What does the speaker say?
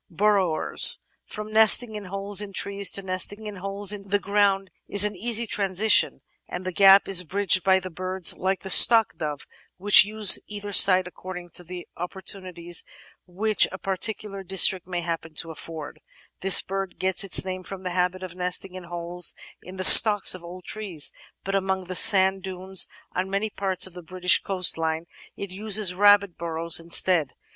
Burrowers From nesting in holes in trees to nesting in holes iQ the ground is an easy transition, and the gap is bridged by birds like the Stock Dove, which use either site according to the oppor tunities which a particular district may happen to afford; this bird gets its name from the habit of nesting in holes in the "stocks" of old trees, but among the sand dunes on many parts of the British coastline it uses rabbit burrows instead.